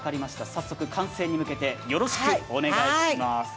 早速完成に向けてよろしくお願いします。